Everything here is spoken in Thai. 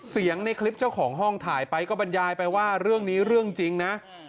ในคลิปเจ้าของห้องถ่ายไปก็บรรยายไปว่าเรื่องนี้เรื่องจริงนะ